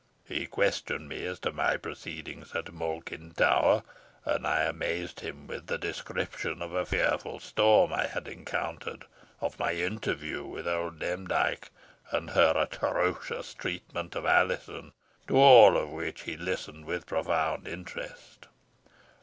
He questioned me as to my proceedings at Malkin Tower, and I amazed him with the description of a fearful storm I had encountered of my interview with old Demdike, and her atrocious treatment of Alizon to all of which he listened with profound interest.